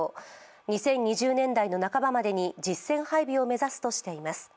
２０２０年代の半ばまでに実戦配備を目指すとしています。